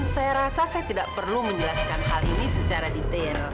saya rasa saya tidak perlu menjelaskan hal ini secara detail